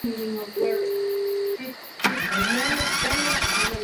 Este campeonato se juega en el Estadio Germán Becker de Temuco.